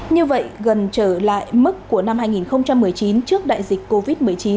như vậy gần trở lại mức của năm hai nghìn một mươi chín trước đại dịch covid một mươi chín